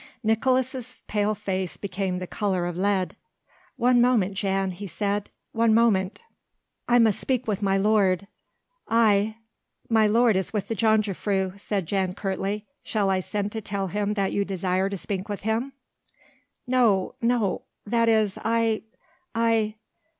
Nicolaes' pale face became the colour of lead. "One moment, Jan," he said, "one moment. I must speak with my lord ... I...." "My lord is with the jongejuffrouw," said Jan curtly, "shall I send to tell him that you desire to speak with him?" "No no that is I ... I